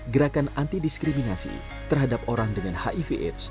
gerakan anti diskriminasi terhadap orang dengan hiv aids